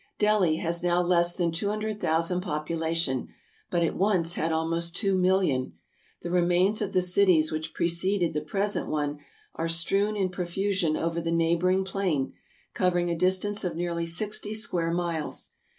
" Delhi has now less than 200,000 population, but it once had almost 2,000,000. The remains of the cities which preceded the present one are strewn in profusion over the neighboring plain, covering a distance of nearly sixty square miles.